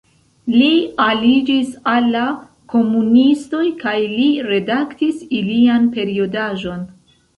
Li aliĝis al la komunistoj kaj li redaktis ilian periodaĵon.